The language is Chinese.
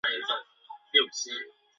中国清朝官员。